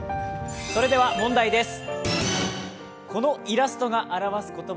それでは問題です。